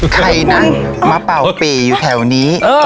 ใครนะมาเป่าปี่อยู่แถวนี้